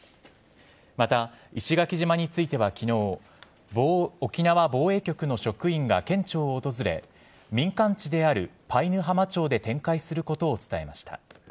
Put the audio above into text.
また、石垣島についてはきのう、沖縄防衛局の職員が県庁を訪れ、民間地である南ぬ浜町で展開することを伝えました。